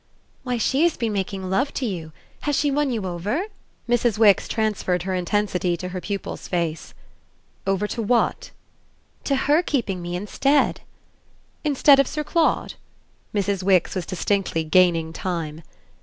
"Why, she has been making love to you. Has she won you over?" Mrs. Wix transferred her intensity to her pupil's face. "Over to what?" "To HER keeping me instead." "Instead of Sir Claude?" Mrs. Wix was distinctly gaining time.